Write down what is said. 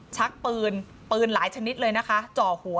ชักปืนปืนหลายชนิดเลยนะคะจ่อหัว